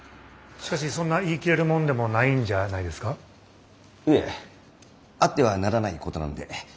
しかしそんな言い切れるもんでもないんじゃないですか。いえあってはならないことなんで。